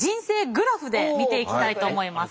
グラフで見ていきたいと思います。